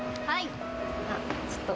はい。